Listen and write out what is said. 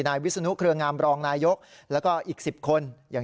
ต่านวางแผนหมายว่าจะฉีดเมื่อไหร่